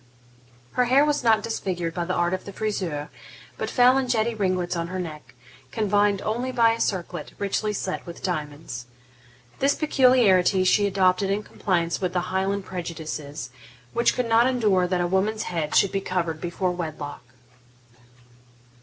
Her hair was not disfigured by the art of the friseur, but fell in jetty ringlets on her neck, confined only by a circlet, richly set with diamonds. This peculiarity she adopted in compliance with the Highland prejudices, which could not endure that a woman's head should be covered before wedlock.